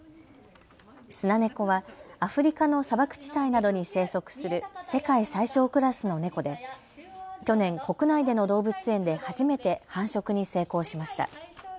スナネコはアフリカの砂漠地帯などに生息する世界最小クラスのネコで去年、国内での動物園で初めて繁殖に成功しました。